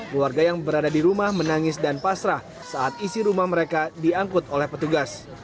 keluarga yang berada di rumah menangis dan pasrah saat isi rumah mereka diangkut oleh petugas